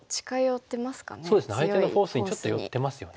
そうですね相手のフォースにちょっと寄ってますよね。